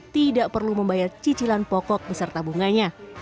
tidak perlu membayar cicilan pokok beserta bunganya